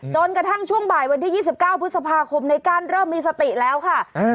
จนกระทั่งช่วงบ่ายวันที่๒๙พฤษภาคมในกั้นเริ่มมีสติแล้วค่ะ